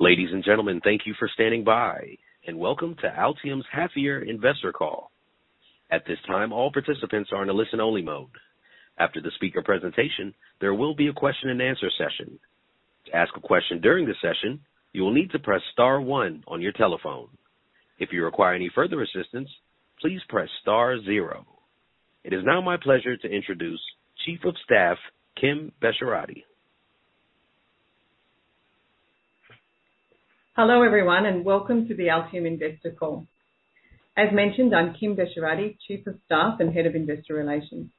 Ladies and gentlemen, thank you for standing by, and Welcome to Altium's Half-Year Investor Call. At this time, all participants are in a listen-only mode. After the speaker presentation, there will be a question and answer session. To ask a question during the session, you will need to press star one on your telephone. If you require any further assistance, please press star zero. It is now my pleasure to introduce Chief of Staff, Kim Besharati. Hello, everyone, and welcome to the Altium investor call. As mentioned, I'm Kim Besharati, Chief of Staff and Head of Investor Relations.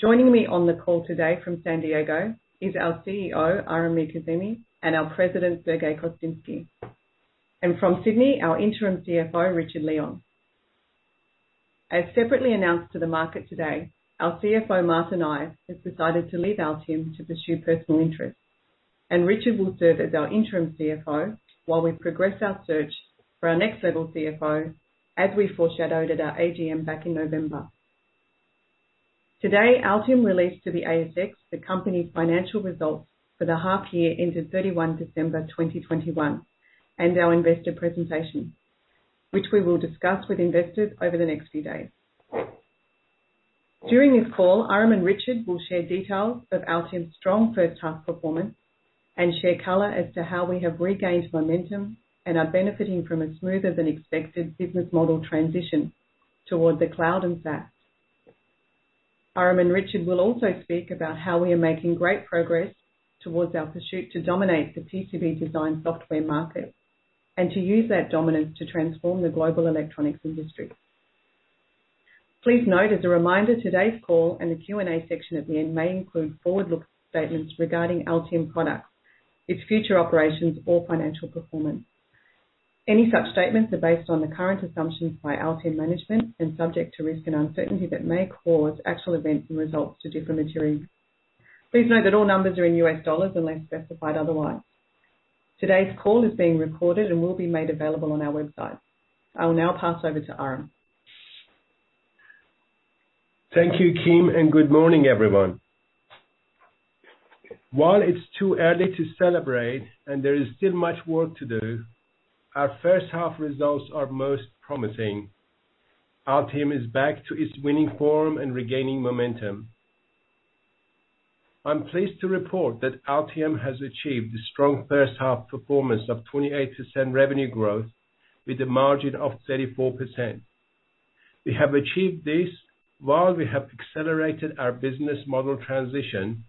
Joining me on the call today from San Diego is our CEO, Aram Mirkazemi, and our President, Sergey Kostinsky. From Sydney, our interim CFO, Richard Leon. As separately announced to the market today, our CFO, Martin Ive, has decided to leave Altium to pursue personal interests. Richard will serve as our interim CFO while we progress our search for our next level CFO, as we foreshadowed at our AGM back in November. Today, Altium released to the ASX the company's financial results for the half-year-ended 31 December 2021 and our investor presentation, which we will discuss with investors over the next few days. During this call, Aram and Richard will share details of Altium's strong first half performance and share color as to how we have regained momentum and are benefiting from a smoother than expected business model transition toward the cloud and SaaS. Aram and Richard will also speak about how we are making great progress towards our pursuit to dominate the PCB design software market and to use that dominance to transform the global electronics industry. Please note as a reminder, today's call and the Q&A section at the end may include forward-looking statements regarding Altium products, its future operations or financial performance. Any such statements are based on the current assumptions by Altium management and subject to risk and uncertainty that may cause actual events and results to differ materially. Please note that all numbers are in US dollars unless specified otherwise. Today's call is being recorded and will be made available on our website. I will now pass over to Aram. Thank you, Kim, and good morning, everyone. While it's too early to celebrate and there is still much work to do, our first half results are most promising. Altium is back to its winning form and regaining momentum. I'm pleased to report that Altium has achieved a strong first half performance of 28% revenue growth with a margin of 34%. We have achieved this while we have accelerated our business model transition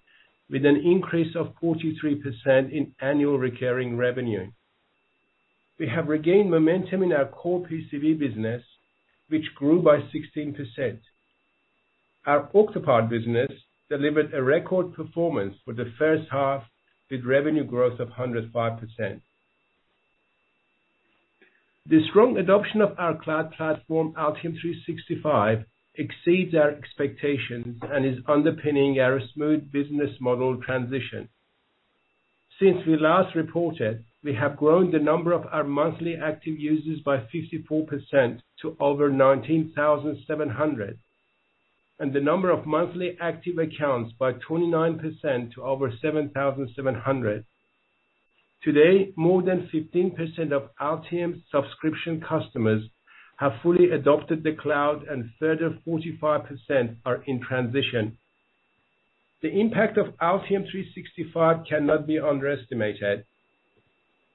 with an increase of 43% in annual recurring revenue. We have regained momentum in our core PCB business, which grew by 16%. Our Octopart business delivered a record performance for the first half with revenue growth of 105%. The strong adoption of our cloud platform, Altium 365, exceeds our expectations and is underpinning our smooth business model transition. Since we last reported, we have grown the number of our monthly active users by 54% to over 19,700, and the number of monthly active accounts by 29% to over 7,700. Today, more than 15% of Altium subscription customers have fully adopted the cloud and a further 45% are in transition. The impact of Altium 365 cannot be underestimated.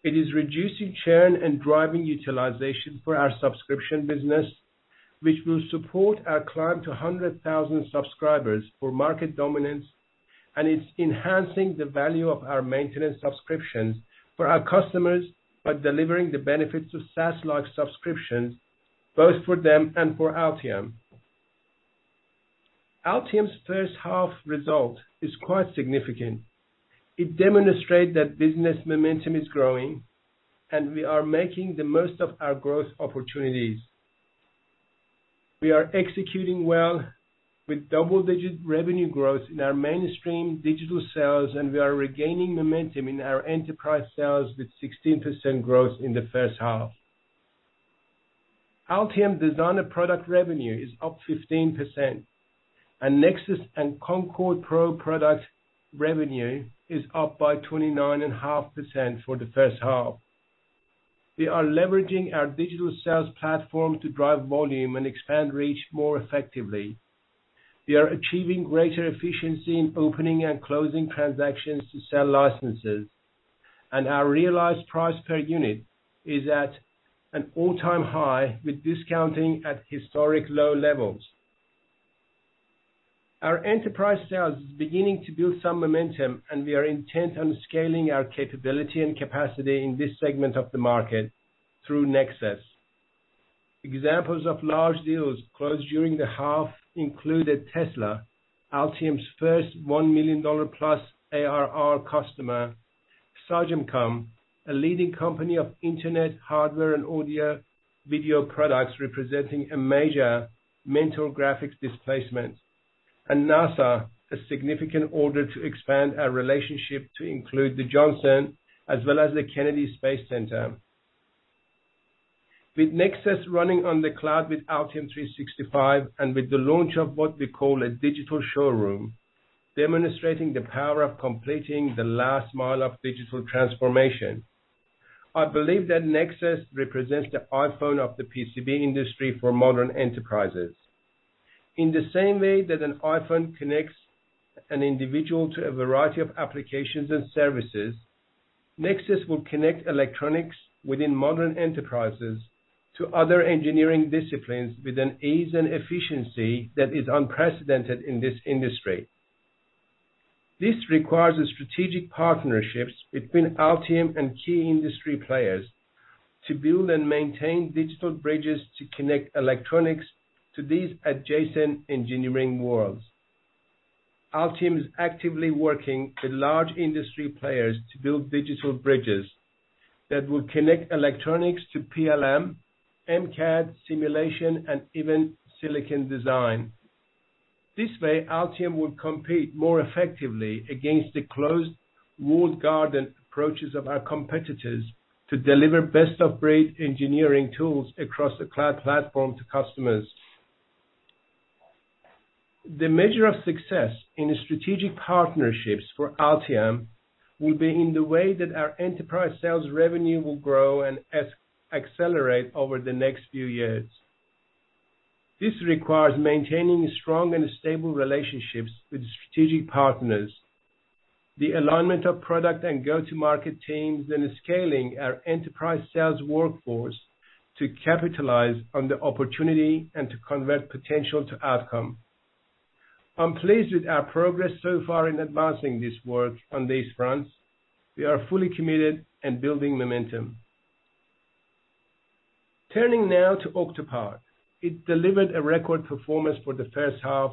It is reducing churn and driving utilization for our subscription business, which will support our climb to 100,000 subscribers for market dominance, and it's enhancing the value of our maintenance subscriptions for our customers by delivering the benefits of SaaS-like subscriptions both for them and for Altium. Altium's first half result is quite significant. It demonstrate that business momentum is growing, and we are making the most of our growth opportunities. We are executing well with double-digit revenue growth in our mainstream digital sales, and we are regaining momentum in our enterprise sales with 16% growth in the first half. Altium Designer product revenue is up 15%, and Nexus and Concord Pro product revenue is up by 29.5% for the first half. We are leveraging our digital sales platform to drive volume and expand reach more effectively. We are achieving greater efficiency in opening and closing transactions to sell licenses, and our realized price per unit is at an all-time high with discounting at historic low levels. Our enterprise sales is beginning to build some momentum, and we are intent on scaling our capability and capacity in this segment of the market through Nexus. Examples of large deals closed during the half included Tesla, Altium's first $1 million+ ARR customer. Sagemcom, a leading company of internet hardware and audio-video products representing a major Mentor Graphics displacement. NASA, a significant order to expand our relationship to include the Johnson Space Center as well as the Kennedy Space Center. With Nexus running on the cloud with Altium 365 and with the launch of what we call a digital showroom, demonstrating the power of completing the last mile of digital transformation. I believe that Nexus represents the iPhone of the PCB industry for modern enterprises. In the same way that an iPhone connects an individual to a variety of applications and services, Nexus will connect electronics within modern enterprises to other engineering disciplines with an ease and efficiency that is unprecedented in this industry. This requires strategic partnerships between Altium and key industry players to build and maintain digital bridges to connect electronics to these adjacent engineering worlds. Altium is actively working with large industry players to build digital bridges that will connect electronics to PLM, MCAD simulation, and even silicon design. This way, Altium will compete more effectively against the closed walled garden approaches of our competitors to deliver best of breed engineering tools across the cloud platform to customers. The measure of success in strategic partnerships for Altium will be in the way that our enterprise sales revenue will grow and accelerate over the next few years. This requires maintaining strong and stable relationships with strategic partners, the alignment of product and go-to-market teams, and scaling our enterprise sales workforce to capitalize on the opportunity and to convert potential to outcome. I'm pleased with our progress so far in advancing this work on these fronts. We are fully committed and building momentum. Turning now to Octopart. It delivered a record performance for the first half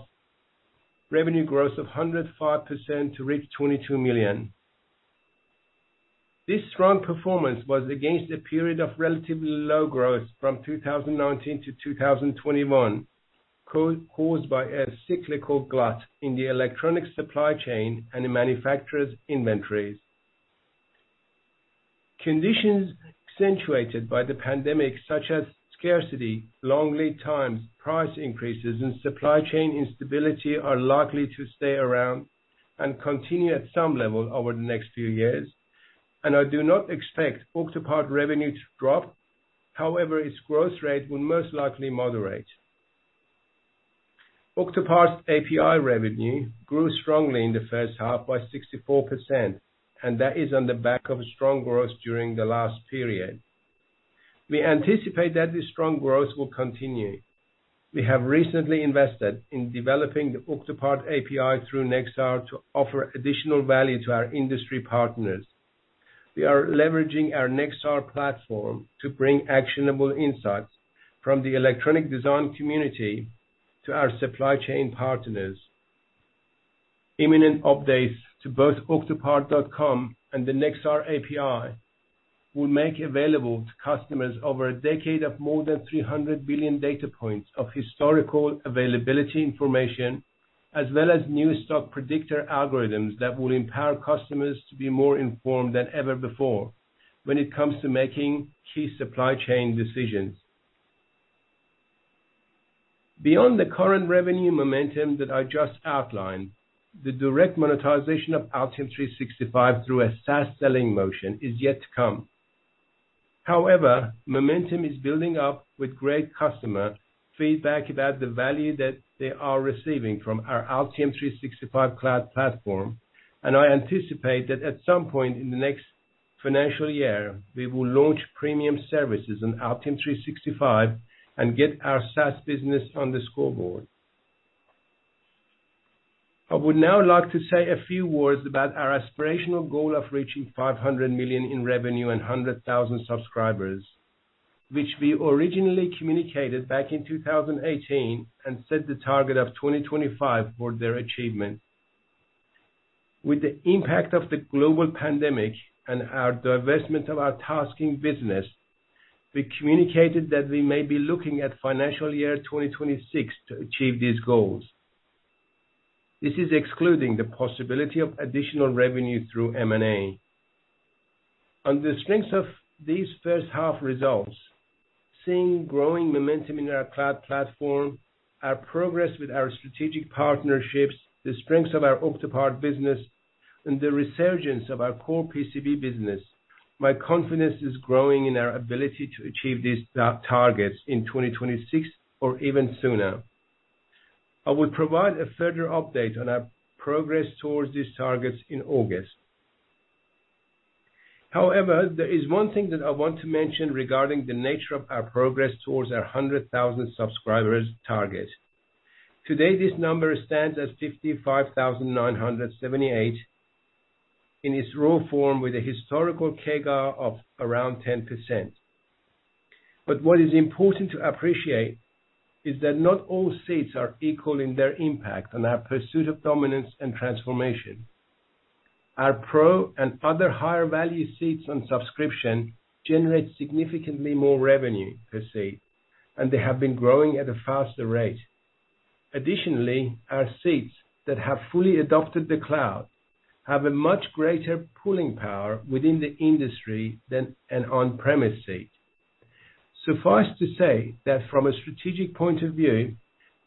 revenue growth of 105% to reach $22 million. This strong performance was against a period of relatively low growth from 2019 to 2021, caused by a cyclical glut in the electronic supply chain and the manufacturer's inventories. Conditions accentuated by the pandemic, such as scarcity, long lead times, price increases, and supply chain instability are likely to stay around and continue at some level over the next few years, and I do not expect Octopart revenue to drop. However, its growth rate will most likely moderate. Octopart's API revenue grew strongly in the first half by 64%, and that is on the back of strong growth during the last period. We anticipate that this strong growth will continue. We have recently invested in developing the Octopart API through Nexar to offer additional value to our industry partners. We are leveraging our Nexar platform to bring actionable insights from the electronic design community to our supply chain partners. Imminent updates to both octopart.com and the Nexar API will make available to customers over a decade of more than 300 billion data points of historical availability information, as well as new stock predictor algorithms that will empower customers to be more informed than ever before when it comes to making key supply chain decisions. Beyond the current revenue momentum that I just outlined, the direct monetization of Altium 365 through a SaaS selling motion is yet to come. However, momentum is building up with great customer feedback about the value that they are receiving from our Altium 365 cloud platform, and I anticipate that at some point in the next financial year, we will launch premium services on Altium 365 and get our SaaS business on the scoreboard. I would now like to say a few words about our aspirational goal of reaching $500 million in revenue and 100,000 subscribers, which we originally communicated back in 2018 and set the target of 2025 for their achievement. With the impact of the global pandemic and our divestment of our TASKING business, we communicated that we may be looking at financial year 2026 to achieve these goals. This is excluding the possibility of additional revenue through M&A. On the strength of these first half results, seeing growing momentum in our cloud platform, our progress with our strategic partnerships, the strengths of our Octopart business, and the resurgence of our core PCB business, my confidence is growing in our ability to achieve these targets in 2026 or even sooner. I will provide a further update on our progress towards these targets in August. However, there is one thing that I want to mention regarding the nature of our progress towards our 100,000 subscribers target. Today, this number stands as 55,978 in its raw form with a historical CAGR of around 10%. What is important to appreciate is that not all seats are equal in their impact on our pursuit of dominance and transformation. Our pro and other higher value seats on subscription generate significantly more revenue per seat, and they have been growing at a faster rate. Additionally, our seats that have fully adopted the cloud have a much greater pulling power within the industry than an on-premise seat. Suffice to say that from a strategic point of view,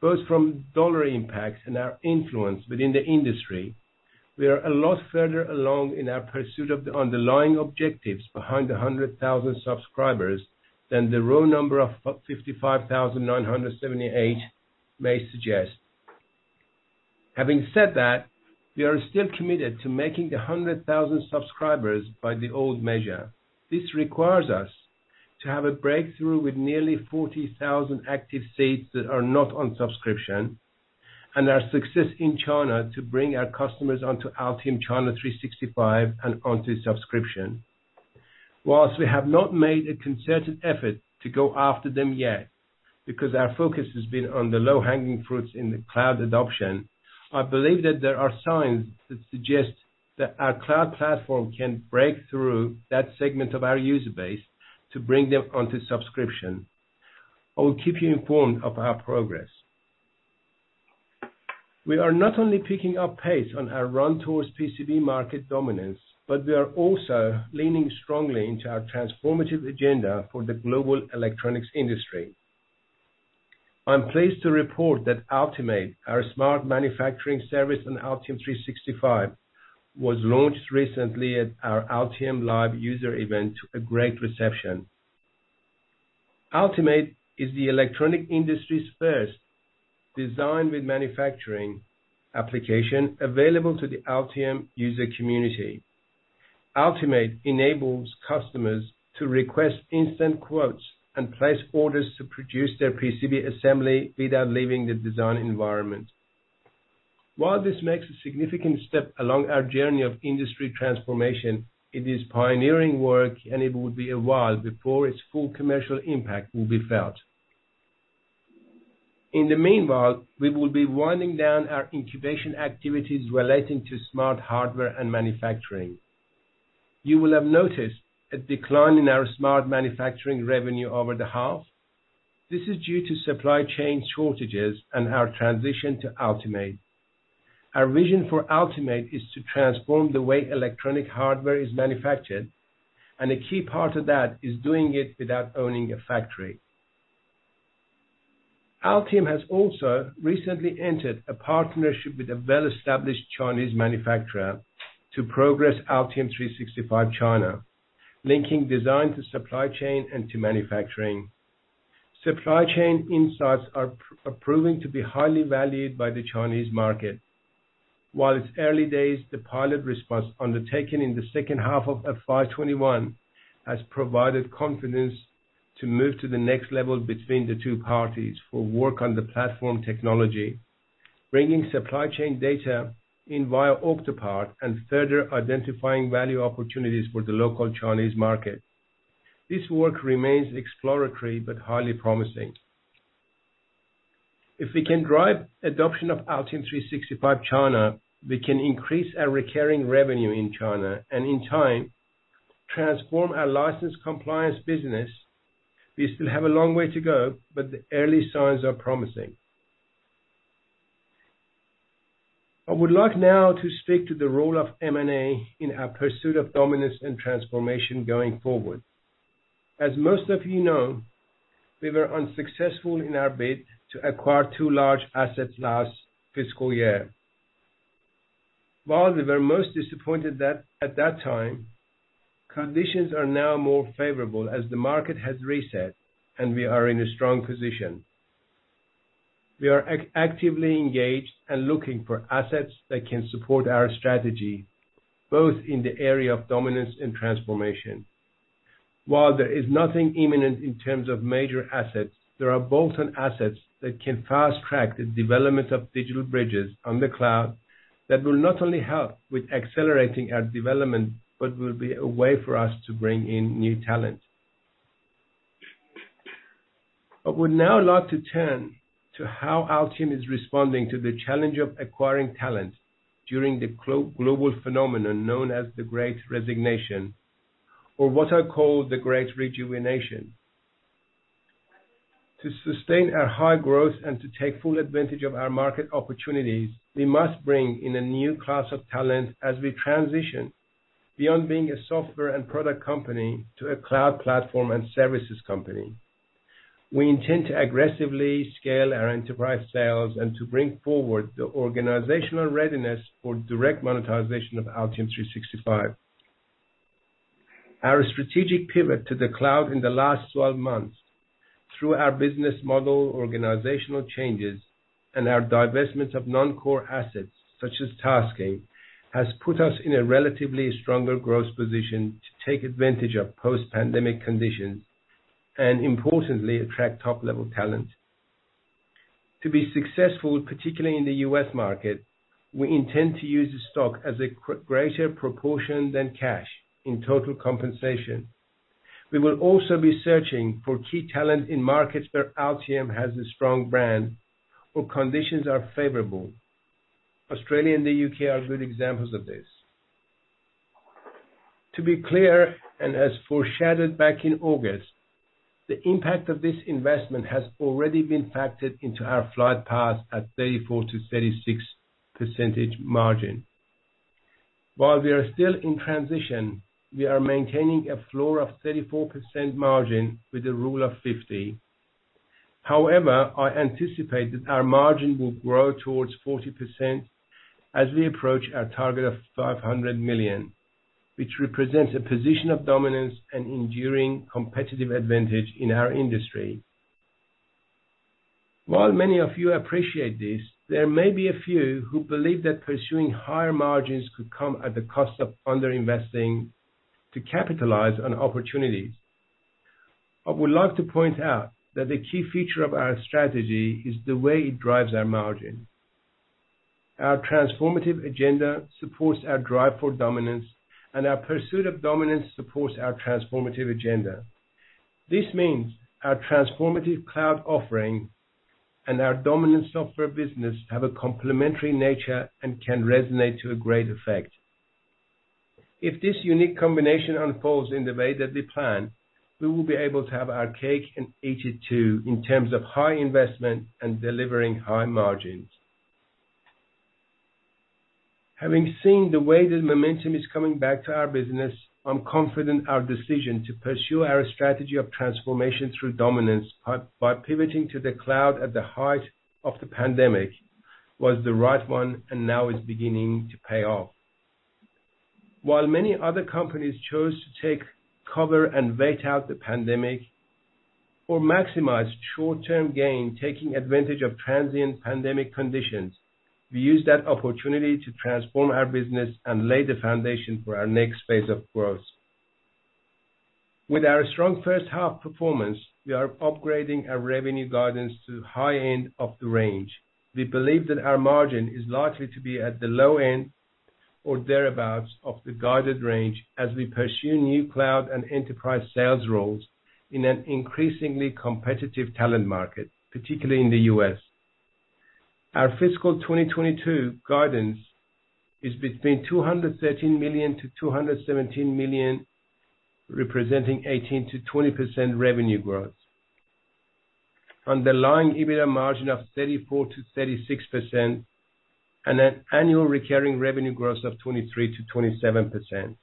both from dollar impacts and our influence within the industry, we are a lot further along in our pursuit of the underlying objectives behind the 100,000 subscribers than the raw number of about 55,978 may suggest. Having said that, we are still committed to making the 100,000 subscribers by the old measure. This requires us to have a breakthrough with nearly 40,000 active seats that are not on subscription, and our success in China to bring our customers onto Altium 365 China and onto subscription. While we have not made a concerted effort to go after them yet, because our focus has been on the low-hanging fruits in the cloud adoption, I believe that there are signs that suggest that our cloud platform can break through that segment of our user base to bring them onto subscription. I will keep you informed of our progress. We are not only picking up pace on our run towards PCB market dominance, but we are also leaning strongly into our transformative agenda for the global electronics industry. I'm pleased to report that Altimade, our smart manufacturing service on Altium 365, was launched recently at our AltiumLive user event to a great reception. Altimade is the electronic industry's first design with manufacturing application available to the Altium user community. Altimade enables customers to request instant quotes and place orders to produce their PCB assembly without leaving the design environment. While this makes a significant step along our journey of industry transformation, it is pioneering work, and it would be a while before its full commercial impact will be felt. In the meanwhile, we will be winding down our incubation activities relating to smart hardware and manufacturing. You will have noticed a decline in our smart manufacturing revenue over the half. This is due to supply chain shortages and our transition to Altimade. Our vision for Altimade is to transform the way electronic hardware is manufactured, and a key part of that is doing it without owning a factory. Altium has also recently entered a partnership with a well-established Chinese manufacturer to progress Altium 365 China, linking design to supply chain and to manufacturing. Supply chain insights are proving to be highly valued by the Chinese market. While it's early days, the pilot response undertaken in the second half of FY 2021 has provided confidence to move to the next level between the two parties for work on the platform technology, bringing supply chain data in via Octopart and further identifying value opportunities for the local Chinese market. This work remains exploratory but highly promising. If we can drive adoption of Altium 365 China, we can increase our recurring revenue in China and in time, transform our license compliance business. We still have a long way to go, but the early signs are promising. I would like now to speak to the role of M&A in our pursuit of dominance and transformation going forward. As most of you know, we were unsuccessful in our bid to acquire two large assets last fiscal year. While we were most disappointed that at that time, conditions are now more favorable as the market has reset, and we are in a strong position. We are actively engaged and looking for assets that can support our strategy, both in the area of dominance and transformation. While there is nothing imminent in terms of major assets, there are bolt-on assets that can fast-track the development of digital bridges on the cloud that will not only help with accelerating our development, but will be a way for us to bring in new talent. I would now like to turn to how Altium is responding to the challenge of acquiring talent during the global phenomenon known as the Great Resignation, or what I call the Great Rejuvenation. To sustain our high growth and to take full advantage of our market opportunities, we must bring in a new class of talent as we transition beyond being a software and product company to a cloud platform and services company. We intend to aggressively scale our enterprise sales and to bring forward the organizational readiness for direct monetization of Altium 365. Our strategic pivot to the cloud in the last 12 months through our business model organizational changes and our divestment of non-core assets such as TASKING, has put us in a relatively stronger growth position to take advantage of post-pandemic conditions and importantly, attract top-level talent. To be successful, particularly in the U.S. market, we intend to use the stock as a greater proportion than cash in total compensation. We will also be searching for key talent in markets where Altium has a strong brand or conditions are favorable. Australia and the U.K. are good examples of this. To be clear, and as foreshadowed back in August, the impact of this investment has already been factored into our flight path at 34%-36% margin. While we are still in transition, we are maintaining a floor of 34% margin with a Rule of 50. However, I anticipate that our margin will grow towards 40% as we approach our target of $500 million, which represents a position of dominance and enduring competitive advantage in our industry. While many of you appreciate this, there may be a few who believe that pursuing higher margins could come at the cost of under-investing to capitalize on opportunities. I would like to point out that the key feature of our strategy is the way it drives our margin. Our transformative agenda supports our drive for dominance, and our pursuit of dominance supports our transformative agenda. This means our transformative cloud offering and our dominant software business have a complementary nature and can resonate to a great effect. If this unique combination unfolds in the way that we plan, we will be able to have our cake and eat it too, in terms of high investment and delivering high margins. Having seen the way the momentum is coming back to our business, I'm confident our decision to pursue our strategy of transformation through dominance by pivoting to the cloud at the height of the pandemic was the right one and now is beginning to pay off. While many other companies chose to take cover and wait out the pandemic or maximize short-term gain, taking advantage of transient pandemic conditions, we used that opportunity to transform our business and lay the foundation for our next phase of growth. With our strong first half performance, we are upgrading our revenue guidance to high end of the range. We believe that our margin is likely to be at the low end or thereabouts of the guided range as we pursue new cloud and enterprise sales roles in an increasingly competitive talent market, particularly in the U.S. Our fiscal 2022 guidance is between $213 million-$217 million, representing 18%-20% revenue growth. Underlying EBITDA margin of 34%-36% and an annual recurring revenue growth of 23%-27%.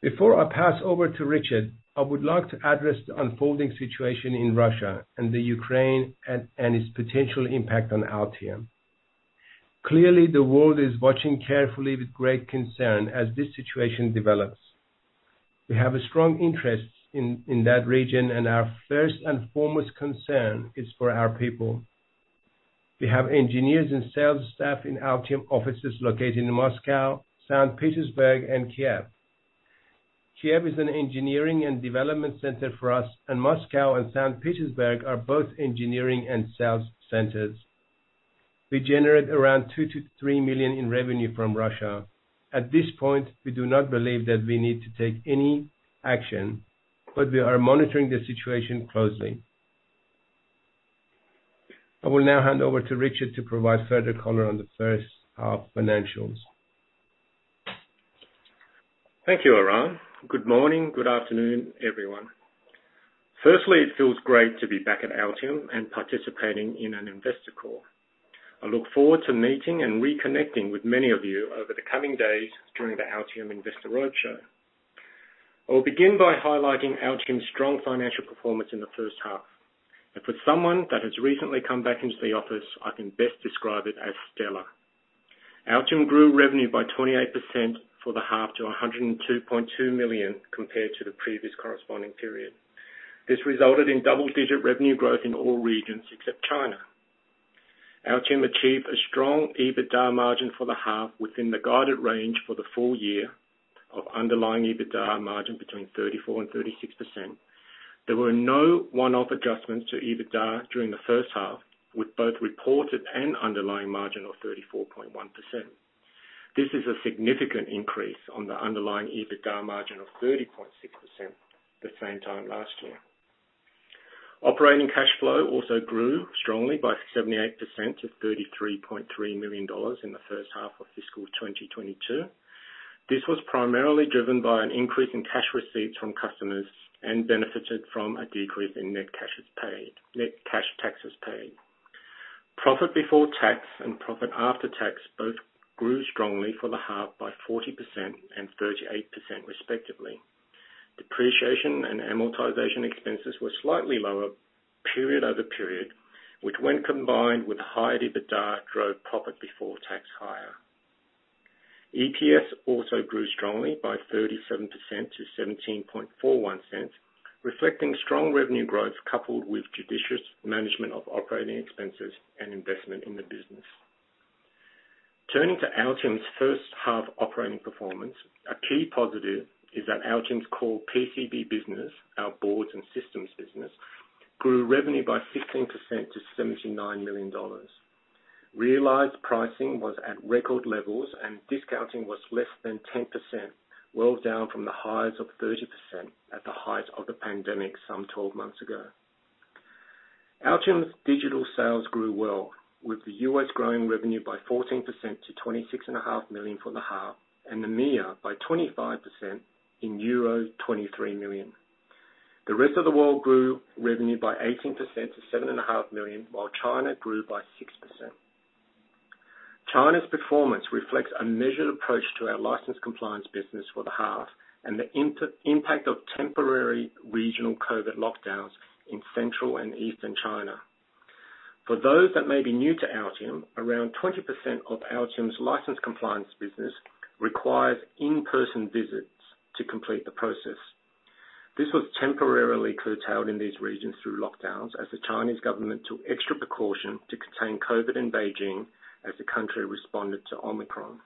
Before I pass over to Richard, I would like to address the unfolding situation in Russia and the Ukraine and its potential impact on Altium. Clearly, the world is watching carefully with great concern as this situation develops. We have a strong interest in that region, and our first and foremost concern is for our people. We have engineers and sales staff in Altium offices located in Moscow, St. Petersburg and Kiev. Kiev is an engineering and development center for us, and Moscow and St. Petersburg are both engineering and sales centers. We generate around $2 million-$3 million in revenue from Russia. At this point, we do not believe that we need to take any action, but we are monitoring the situation closely. I will now hand over to Richard to provide further color on the first half financials. Thank you, Aram. Good morning. Good afternoon, everyone. Firstly, it feels great to be back at Altium and participating in an investor call. I look forward to meeting and reconnecting with many of you over the coming days during the Altium Investor Roadshow. I will begin by highlighting Altium's strong financial performance in the first half. For someone that has recently come back into the office, I can best describe it as stellar. Altium grew revenue by 28% for the half to $102.2 million compared to the previous corresponding period. This resulted in double-digit revenue growth in all regions except China. Altium achieved a strong EBITDA margin for the half within the guided range for the full year of underlying EBITDA margin between 34%-36%. There were no one-off adjustments to EBITDA during the first half, with both reported and underlying margin of 34.1%. This is a significant increase on the underlying EBITDA margin of 30.6% the same time last year. Operating cash flow also grew strongly by 78% to $33.3 million in the first half of fiscal 2022. This was primarily driven by an increase in cash receipts from customers and benefited from a decrease in net cash taxes paid. Profit before tax and profit after tax both grew strongly for the half by 40% and 38%, respectively. Depreciation and amortization expenses were slightly lower period-over-period, which when combined with higher EBITDA, drove profit before tax higher. EPS also grew strongly by 37% to $17.41, reflecting strong revenue growth coupled with judicious management of operating expenses and investment in the business. Turning to Altium's first half operating performance, a key positive is that Altium's core PCB business, our boards and systems business, grew revenue by 15% to $79 million. Realized pricing was at record levels and discounting was less than 10%, well down from the highs of 30% at the height of the pandemic some 12 months ago. Altium's digital sales grew well, with the U.S. growing revenue by 14% to $26.5 million for the half, and the EMEA by 25% in euro 23 million. The rest of the world grew revenue by 18% to $7.5 million, while China grew by 6%. China's performance reflects a measured approach to our license compliance business for the half and the interim impact of temporary regional COVID lockdowns in central and eastern China. For those that may be new to Altium, around 20% of Altium's license compliance business requires in-person visits to complete the process. This was temporarily curtailed in these regions through lockdowns as the Chinese government took extra precaution to contain COVID in Beijing as the country responded to Omicron.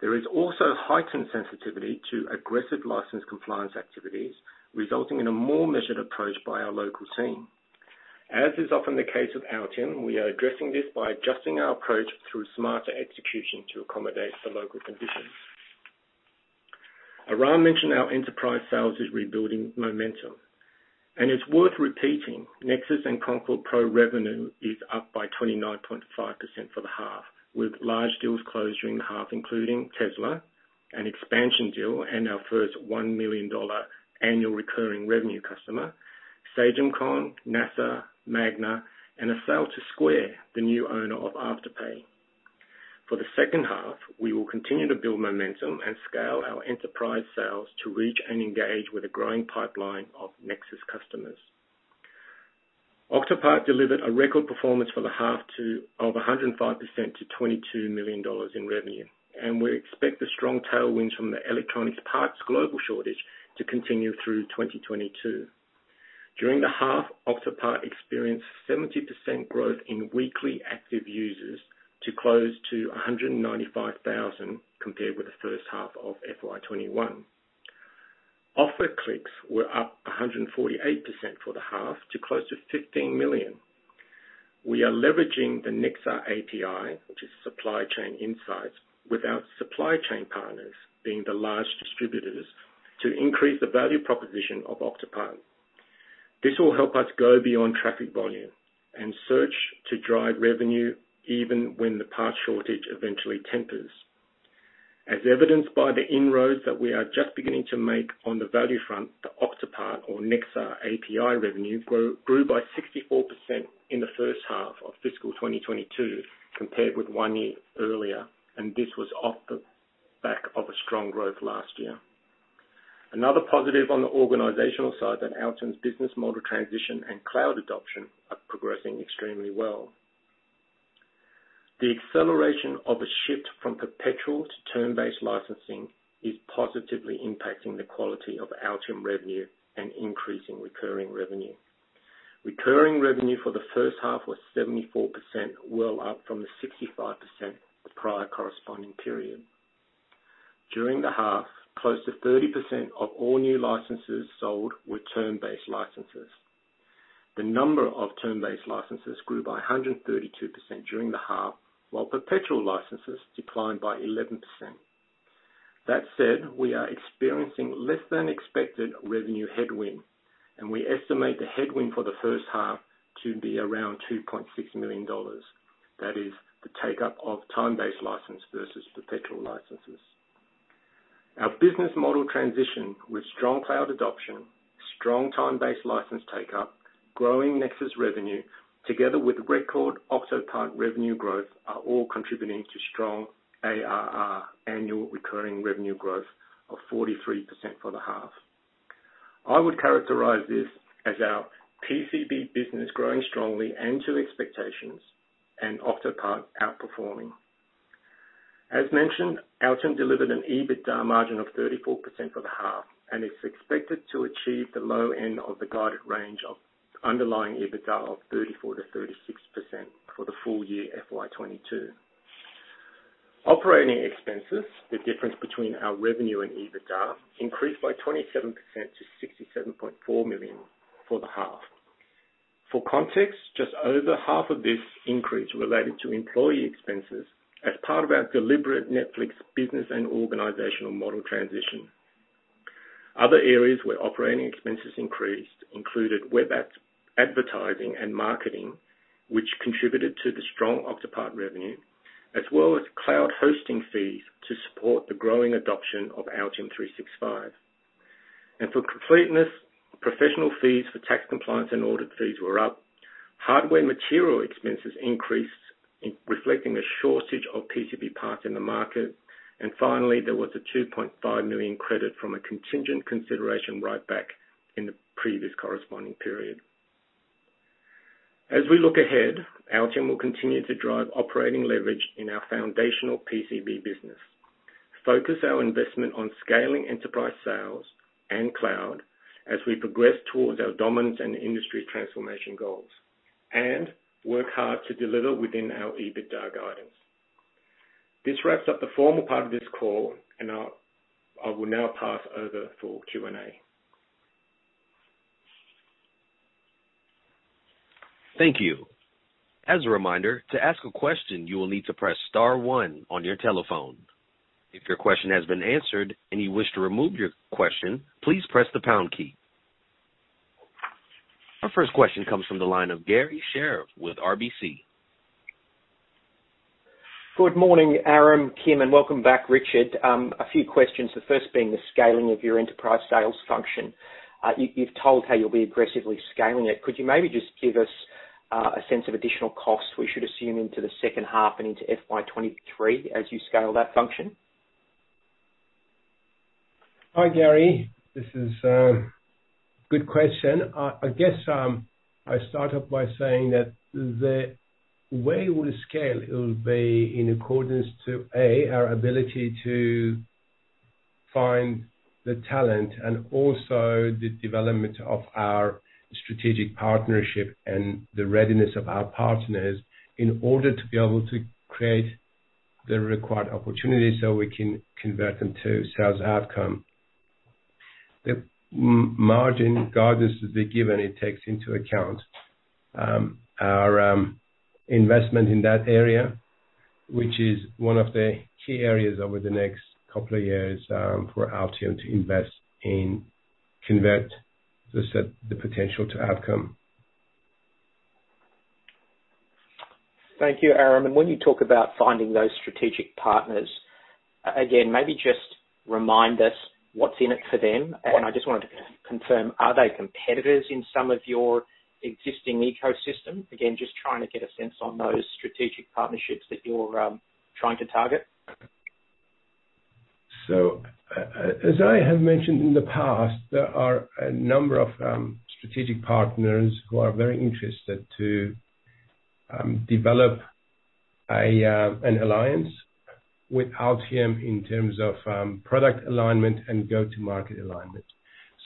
There is also heightened sensitivity to aggressive license compliance activities, resulting in a more measured approach by our local team. As is often the case with Altium, we are addressing this by adjusting our approach through smarter execution to accommodate the local conditions. Aram mentioned our enterprise sales is rebuilding momentum. It's worth repeating, Nexus and Concord Pro revenue is up by 29.5% for the half, with large deals closed during the half, including Tesla, an expansion deal, and our first $1 million annual recurring revenue customer, Sagemcom, NASA, Magna, and a sale to Square, the new owner of Afterpay. For the second half, we will continue to build momentum and scale our enterprise sales to reach and engage with a growing pipeline of Nexus customers. Octopart delivered a record performance for the half of 105% to $22 million in revenue, and we expect the strong tailwinds from the electronics parts global shortage to continue through 2022. During the half, Octopart experienced 70% growth in weekly active users to close to 195,000 compared with the first half of FY 2021. Offer clicks were up 148% for the half to close to 15 million. We are leveraging the Nexar API, which is supply chain insights, with our supply chain partners being the large distributors to increase the value proposition of Octopart. This will help us go beyond traffic volume and search to drive revenue even when the part shortage eventually tempers. As evidenced by the inroads that we are just beginning to make on the value front, the Octopart or Nexar API revenue grew by 64% in the first half of fiscal 2022 compared with one year earlier, and this was off the back of a strong growth last year. Another positive on the organizational side that Altium's business model transition and cloud adoption are progressing extremely well. The acceleration of a shift from perpetual to term-based licensing is positively impacting the quality of Altium revenue and increasing recurring revenue. Recurring revenue for the first half was 74%, well up from the 65% the prior corresponding period. During the half, close to 30% of all new licenses sold were term-based licenses. The number of term-based licenses grew by 132% during the half, while perpetual licenses declined by 11%. That said, we are experiencing less than expected revenue headwind, and we estimate the headwind for the first half to be around $2.6 million. That is the take-up of term-based license versus perpetual licenses. Our business model transition with strong cloud adoption, strong time-based license take-up, growing Nexus revenue together with record Octopart revenue growth are all contributing to strong ARR, annual recurring revenue growth of 43% for the half. I would characterize this as our PCB business growing strongly and to expectations and Octopart outperforming. As mentioned, Altium delivered an EBITDA margin of 34% for the half, and it's expected to achieve the low end of the guided range of underlying EBITDA of 34%-36% for the full year FY 2022. Operating expenses, the difference between our revenue and EBITDA, increased by 27% to $67.4 million for the half. For context, just over half of this increase related to employee expenses as part of our deliberate Netflix business and organizational model transition. Other areas where operating expenses increased included web ads, advertising and marketing, which contributed to the strong Octopart revenue, as well as cloud hosting fees to support the growing adoption of Altium 365. For completeness, professional fees for tax compliance and audit fees were up. Hardware material expenses increased, reflecting a shortage of PCB parts in the market. Finally, there was a $2.5 million credit from a contingent consideration write-back in the previous corresponding period. As we look ahead, Altium will continue to drive operating leverage in our foundational PCB business, focus our investment on scaling enterprise sales and cloud as we progress towards our dominance and industry transformation goals, and work hard to deliver within our EBITDA guidance. This wraps up the formal part of this call and I will now pass over for Q&A. Thank you. As a reminder, to ask a question, you will need to press star one on your telephone. If your question has been answered and you wish to remove your question, please press the pound key. Our first question comes from the line of Garry Sherriff with RBC. Good morning, Aram, Kim, and welcome back, Richard. A few questions, the first being the scaling of your enterprise sales function. You've told how you'll be aggressively scaling it. Could you maybe just give us a sense of additional costs we should assume into the second half and into FY 2023 as you scale that function? Hi, Garry. This is a good question. I guess I'll start off by saying that the way we'll scale it will be in accordance with our ability to find the talent and also the development of our strategic partnership and the readiness of our partners in order to be able to create the required opportunities so we can convert them to sales outcome. The margin guidance that we've given takes into account our investment in that area, which is one of the key areas over the next couple of years for Altium to invest in converting that potential to outcome. Thank you, Aram. When you talk about finding those strategic partners, again, maybe just remind us what's in it for them. I just wanted to confirm, are they competitors in some of your existing ecosystem? Again, just trying to get a sense on those strategic partnerships that you're trying to target. As I have mentioned in the past, there are a number of strategic partners who are very interested to develop an alliance with Altium in terms of product alignment and go-to-market alignment.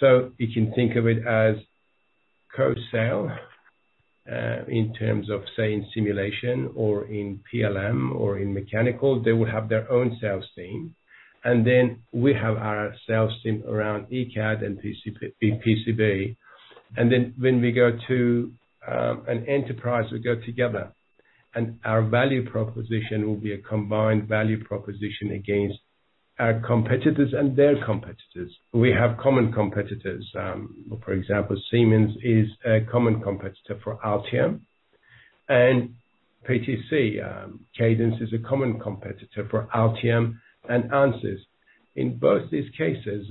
You can think of it as co-sale in terms of, say, in simulation or in PLM or in mechanical. They will have their own sales team, and then we have our sales team around ECAD and PCB. When we go to an enterprise, we go together. Our value proposition will be a combined value proposition against our competitors and their competitors. We have common competitors. For example, Siemens is a common competitor for Altium, and PTC, Cadence is a common competitor for Altium and Ansys. In both these cases,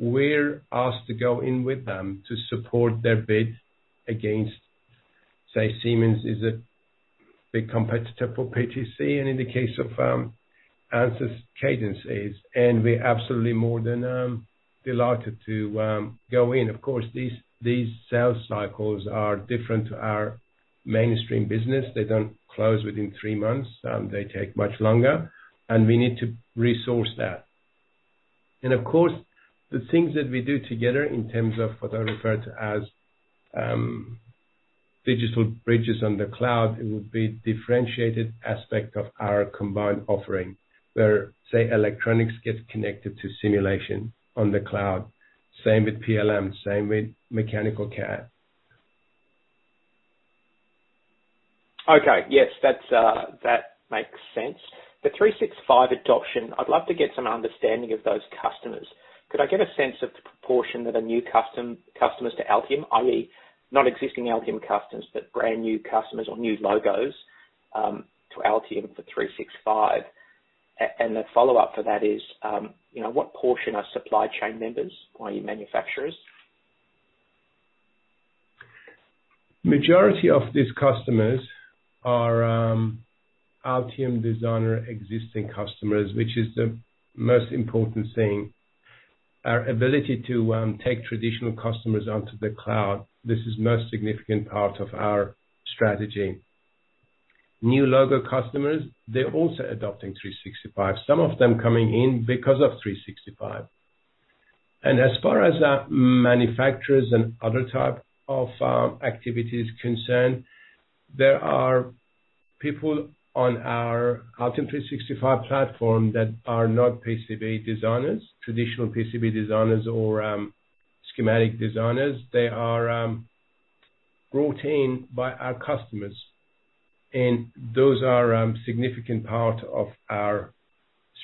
we're asked to go in with them to support their bid against, say, Siemens is a big competitor for PTC, and in the case of Ansys, Cadence is. We're absolutely more than delighted to go in. Of course, these sales cycles are different to our mainstream business. They don't close within three months. They take much longer, and we need to resource that. Of course, the things that we do together in terms of what I refer to as digital bridges on the cloud, it would be differentiated aspect of our combined offering, where, say, electronics gets connected to simulation on the cloud. Same with PLM, same with mechanical CAD. Okay. Yes. That makes sense. The Altium 365 adoption, I'd love to get some understanding of those customers. Could I get a sense of the proportion that are new customers to Altium, i.e., not existing Altium customers, but brand new customers or new logos, to Altium for Altium 365? And the follow-up for that is, you know, what portion are supply chain members, i.e., manufacturers? Majority of these customers are Altium Designer existing customers, which is the most important thing. Our ability to take traditional customers onto the cloud, this is most significant part of our strategy. New logo customers, they're also adopting Altium 365, some of them coming in because of Altium 365. As far as manufacturers and other type of activities concerned, there are people on our Altium 365 platform that are not PCB designers, traditional PCB designers or schematic designers. They are brought in by our customers, and those are significant part of our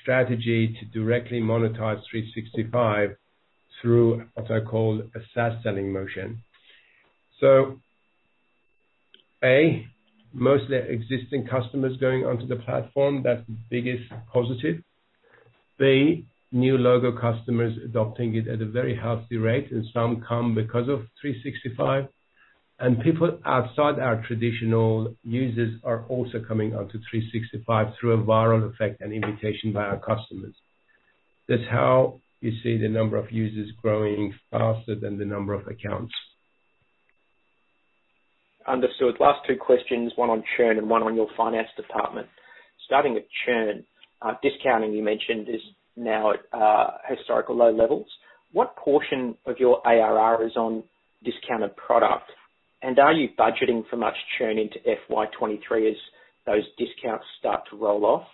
strategy to directly monetize Altium 365 through what I call a SaaS selling motion. A, mostly existing customers going onto the platform, that's the biggest positive. B, new logo customers adopting it at a very healthy rate, and some come because of Altium 365. People outside our traditional users are also coming onto Altium 365 through a viral effect and invitation by our customers. That's how you see the number of users growing faster than the number of accounts. Understood. Last two questions, one on churn and one on your finance department. Starting with churn. Discounting, you mentioned, is now at historically low levels. What portion of your ARR is on discounted product? And are you budgeting for much churn into FY 2023 as those discounts start to roll off?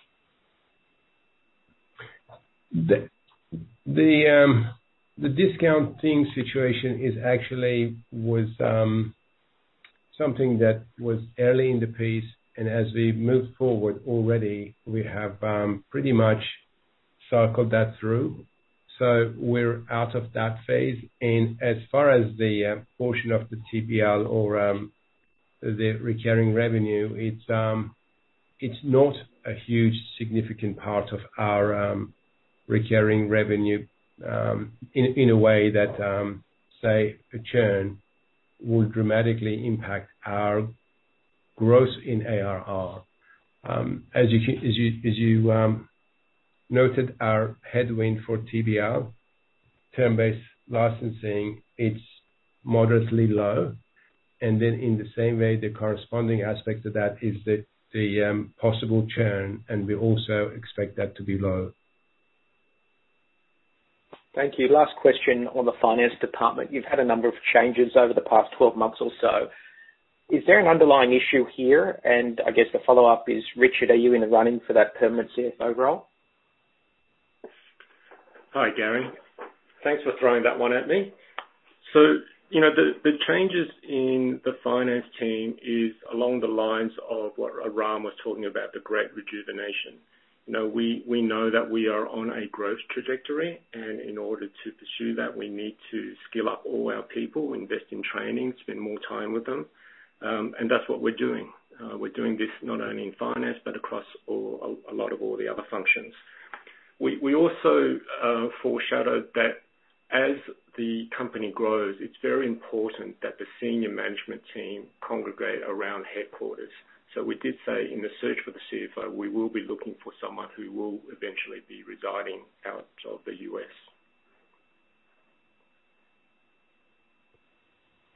The discounting situation is actually was something that was early in the piece. As we've moved forward already, we have pretty much circled that through. We're out of that phase. As far as the portion of the TBL or the recurring revenue, it's not a huge significant part of our recurring revenue in a way that say a churn would dramatically impact our growth in ARR. As you noted our headwind for TBL, term-based licensing, it's moderately low. Then in the same way, the corresponding aspect to that is the possible churn, and we also expect that to be low. Thank you. Last question on the finance department. You've had a number of changes over the past 12 months or so. Is there an underlying issue here? I guess the follow-up is, Richard, are you in the running for that permanent CFO role? Hi, Gary. Thanks for throwing that one at me. You know, the changes in the finance team are along the lines of what Aram was talking about, the Great Resignation. You know, we know that we are on a growth trajectory, and in order to pursue that, we need to skill up all our people, invest in training, spend more time with them. That's what we're doing. We're doing this not only in finance, but across a lot of the other functions. We also foreshadowed that as the company grows, it's very important that the senior management team congregate around headquarters. We did say in the search for the CFO, we will be looking for someone who will eventually be residing out of the U.S.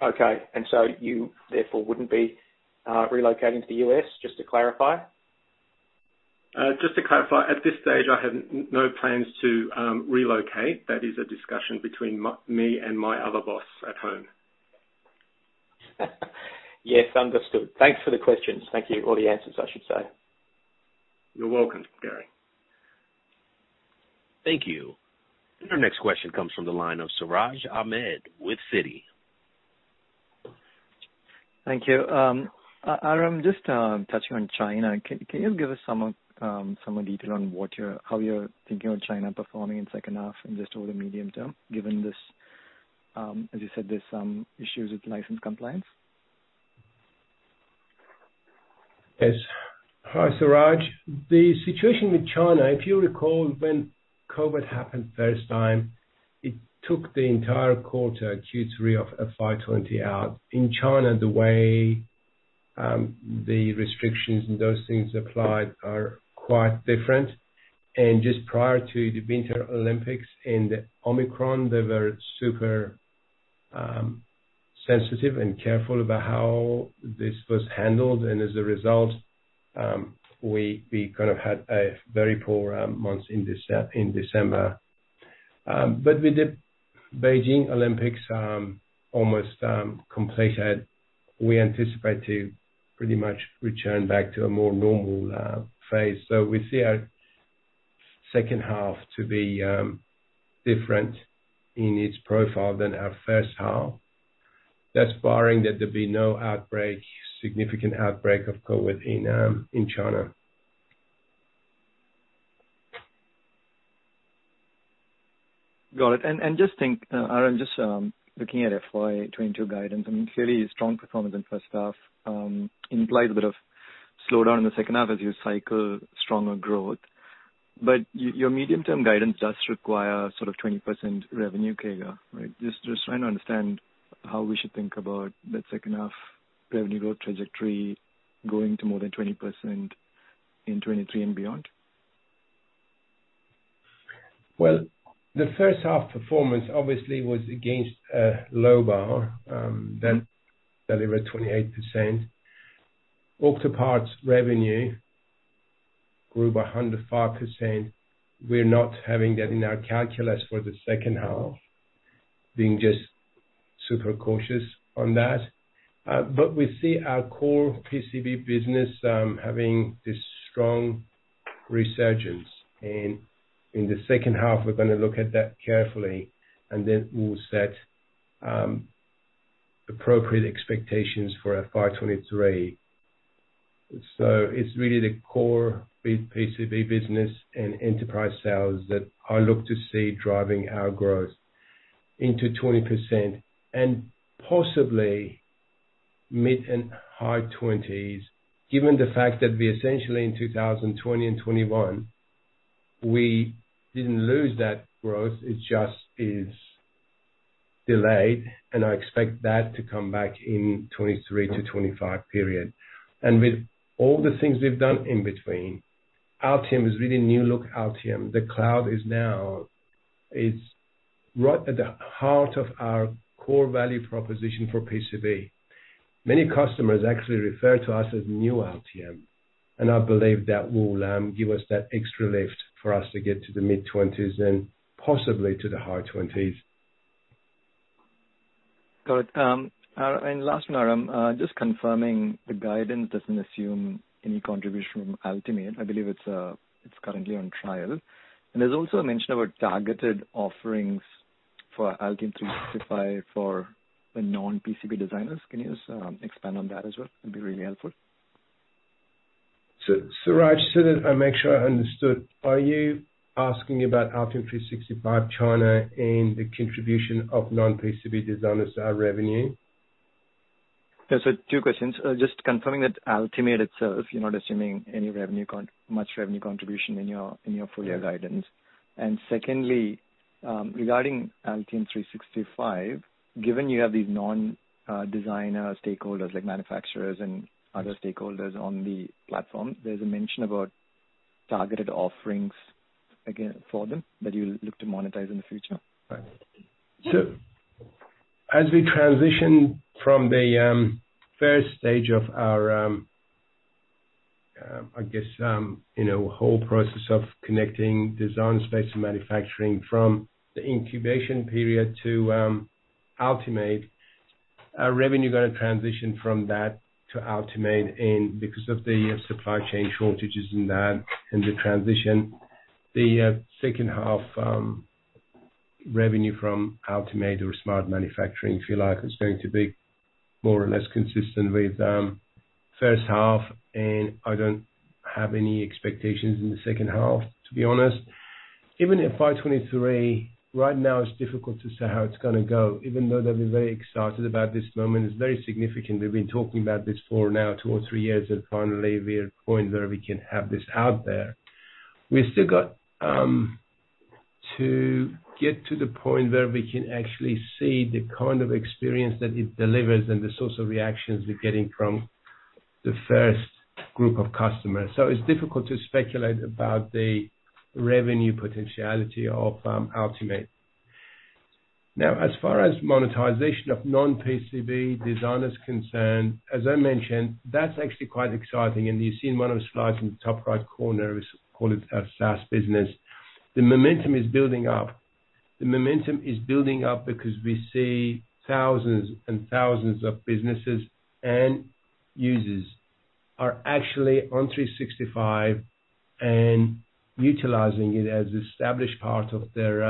Okay. You therefore wouldn't be relocating to the U.S., just to clarify? Just to clarify, at this stage, I have no plans to relocate. That is a discussion between me and my other boss at home. Yes. Understood. Thanks for the questions. Thank you. Or the answers, I should say. You're welcome, Garry. Thank you. Our next question comes from the line of Suraj Nebhani with Citi. Thank you. Aram, just touching on China, can you give us some detail on how you're thinking of China performing in second half and just over the medium term, given this, as you said, there's some issues with license compliance? Yes. Hi, Suraj. The situation with China, if you recall, when COVID happened first time, it took the entire quarter, Q3 of FY 2020. In China, the way the restrictions and those things applied are quite different. Just prior to the Winter Olympics and the Omicron, they were super sensitive and careful about how this was handled. As a result, we kind of had a very poor month in December. But with the Beijing Olympics almost completed, we anticipate to pretty much return back to a more normal phase. We see our second half to be different in its profile than our first half. That's barring that there'll be no outbreak, significant outbreak of COVID in China. Got it. Just think, Aram, just looking at FY 2022 guidance, I mean, clearly a strong performance in first half implies a bit of slowdown in the second half as you cycle stronger growth. Your medium-term guidance does require sort of 20% revenue CAGR, right? Just trying to understand how we should think about that second half revenue growth trajectory going to more than 20% in 2023 and beyond. Well, the first half performance obviously was against a low bar that delivered 28%. Octopart's revenue grew by 105%. We're not having that in our calculus for the second half, being just super cautious on that. But we see our core PCB business having this strong resurgence. In the second half, we're gonna look at that carefully and then we'll set appropriate expectations for FY 2023. It's really the core PCB business and enterprise sales that I look to see driving our growth into 20% and possibly mid- and high 20s, given the fact that we essentially in 2020 and 2021, we didn't lose that growth. It just is delayed, and I expect that to come back in 2023-2025 period. With all the things we've done in between, Altium is really a new look Altium. The cloud is now right at the heart of our core value proposition for PCB. Many customers actually refer to us as new Altium, and I believe that will give us that extra lift for us to get to the mid-20s% and possibly to the high 20s%. Got it. Last, Aram, just confirming the guidance doesn't assume any contribution from Altimade. I believe it's currently on trial. There's also a mention about targeted offerings for Altium 365 for the non-PCB designers. Can you just expand on that as well? It'd be really helpful. Suraj, so that I make sure I understood. Are you asking about Altium 365 China and the contribution of non-PCB designers to our revenue? Yeah. Two questions. Just confirming that Altimade itself, you're not assuming much revenue contribution in your full year guidance. Secondly, regarding Altium 365, given you have these non-designer stakeholders like manufacturers and other stakeholders on the platform, there's a mention about targeted offerings again for them that you look to monetize in the future. As we transition from the first stage of our, I guess, you know, whole process of connecting design space and manufacturing from the incubation period to Altimade, our revenue gonna transition from that to Altimade. Because of the supply chain shortages and that and the transition, the second half revenue from Altimade or smart manufacturing, if you like, is going to be more or less consistent with first half, and I don't have any expectations in the second half, to be honest. Even in 2023, right now it's difficult to say how it's gonna go, even though that we're very excited about this moment. It's very significant. We've been talking about this for now two or three years, and finally we're at a point where we can have this out there. We've still got to get to the point where we can actually see the kind of experience that it delivers and the sorts of reactions we're getting from the first group of customers. It's difficult to speculate about the revenue potentiality of Altimade. Now, as far as monetization of non-PCB design is concerned, as I mentioned, that's actually quite exciting. You see in one of the slides in the top right corner, we call it a SaaS business. The momentum is building up because we see thousands and thousands of businesses and users are actually on 365 and utilizing it as an established part of their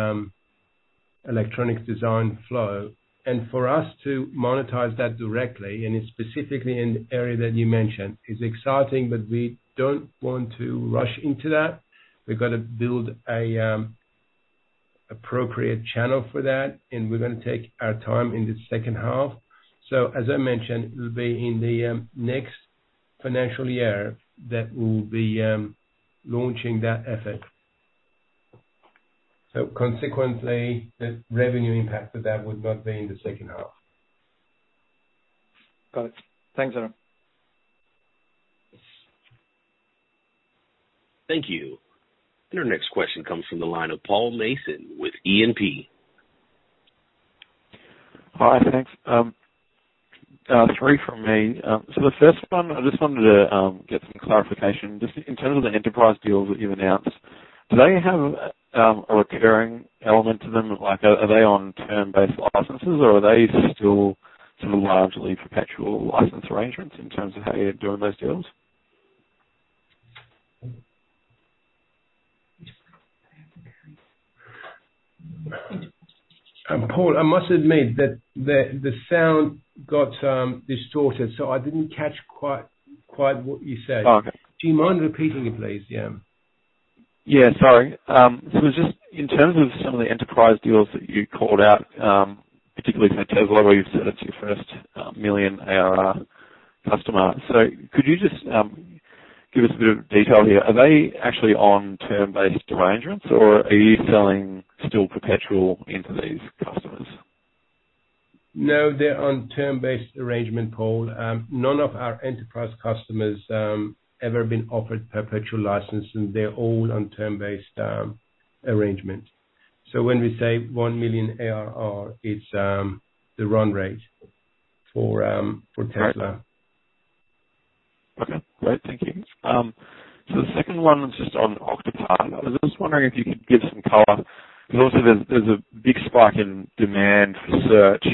electronic design flow. For us to monetize that directly, and specifically in the area that you mentioned, is exciting, but we don't want to rush into that. We've got to build a appropriate channel for that, and we're gonna take our time in the second half. As I mentioned, it will be in the next financial year that we'll be launching that effort. Consequently, the revenue impact of that would not be in the second half. Got it. Thanks, Aram. Thank you. Our next question comes from the line of Paul Mason with E&P. Hi. Thanks. Three from me. The first one, I just wanted to get some clarification. Just in terms of the enterprise deals that you've announced, do they have a recurring element to them? Like are they on term-based licenses or are they still sort of largely perpetual license arrangements in terms of how you're doing those deals? Paul, I must admit that the sound got distorted, so I didn't catch quite what you said. Do you mind repeating it, please? Yeah. It was just in terms of some of the enterprise deals that you called out, particularly for Tesla, where you've said it's your first $1 million ARR customer. Could you just give us a bit of detail here? Are they actually on term-based arrangements or are you selling still perpetual into these customers? No, they're on term-based arrangement, Paul. None of our enterprise customers have ever been offered perpetual license, and they're all on term-based arrangement. When we say $1 million ARR, it's the run rate for Tesla. Okay. Great. Thank you. The second one was just on Octopart. I was just wondering if you could give some color because also there's a big spike in demand for search,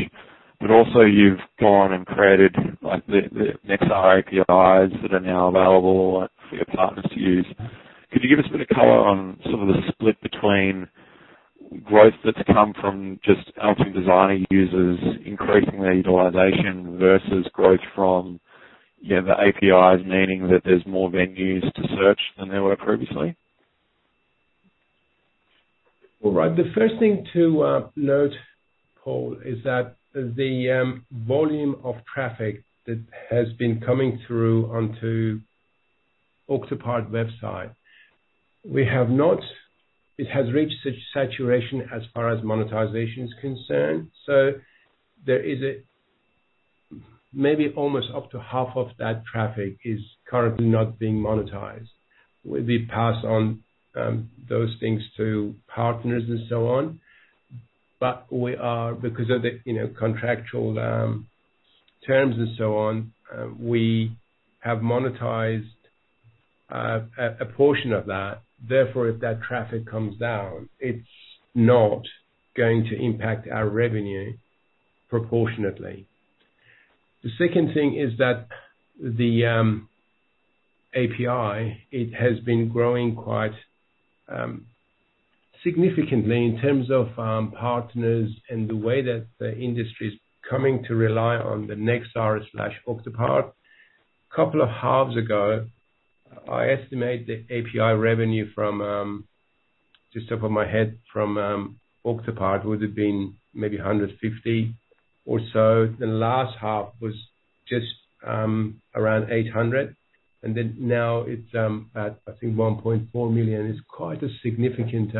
but also you've gone and created like the Nexar APIs that are now available for your partners to use. Could you give us a bit of color on some of the split between growth that's come from just Altium Designer users increasing their utilization versus growth from, you know, the APIs, meaning that there's more venues to search than there were previously? All right. The first thing to note, Paul, is that the volume of traffic that has been coming through onto Octopart website, it has reached such saturation as far as monetization is concerned, so there is maybe almost up to half of that traffic is currently not being monetized. We pass on those things to partners and so on, but because of the, you know, contractual terms and so on, we have monetized a portion of that. Therefore, if that traffic comes down, it's not going to impact our revenue proportionately. The second thing is that the API, it has been growing quite significantly in terms of partners and the way that the industry is coming to rely on the Nexar/Octopart. Couple of halves ago, I estimate the API revenue from Octopart, off the top of my head, would have been maybe $150 or so. The last half was just around $800, and then now it's at, I think, $1.4 million. It's quite a significant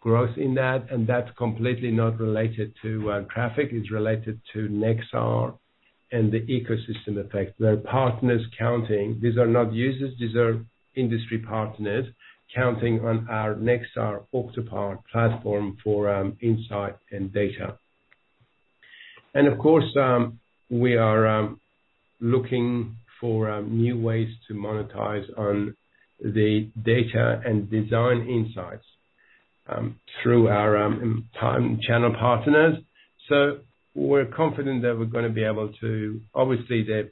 growth in that, and that's completely not related to traffic. It's related to Nexar and the ecosystem effect. Their partners counting. These are not users, these are industry partners counting on our Nexar Octopart platform for insight and data. Of course, we are looking for new ways to monetize on the data and design insights through our time channel partners. We're confident that we're gonna be able to. Obviously, the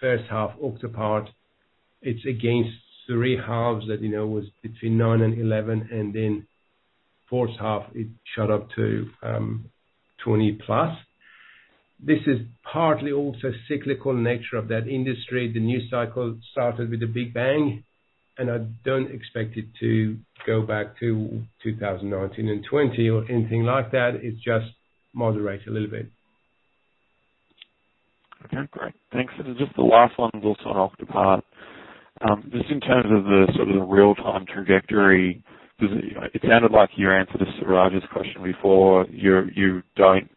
first half Octopart, it's against three quarters that, you know, was between 9% and 11%, and then Q4 it shot up to 20+. This is partly also cyclical nature of that industry. The new cycle started with a big bang, and I don't expect it to go back to 2019 and 2020 or anything like that. It's just moderate a little bit. Okay, great. Thanks. This is just the last one also on Octopart. Just in terms of the sort of real-time trajectory, it sounded like your answer to Suraj's question before, you don't